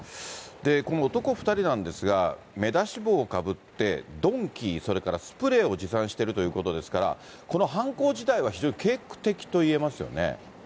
この男２人なんですが、目出し帽をかぶって、鈍器、それからスプレーを持参してるということですから、この犯行自体は非常に計画的といえますよね。